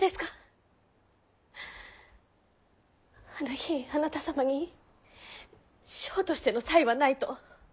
あの日あなた様に将としての才はないと。